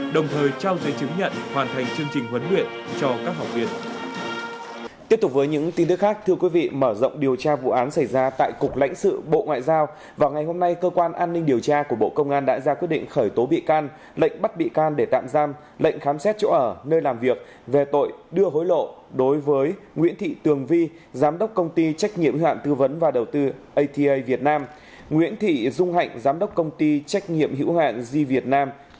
đồng thời trao giấy chứng nhận hoàn thành chương trình huấn luyện cho các học viên